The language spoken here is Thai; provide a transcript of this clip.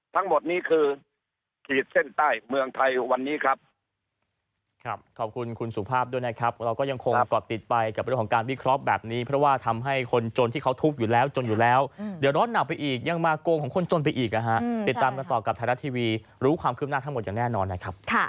ทั้งหมดนี้คือขีดเส้นใต้เมืองไทยวันนี้ครับ